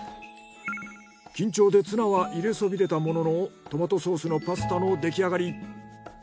緊張でツナは入れそびれたもののトマトソースのパスタの出来上がり。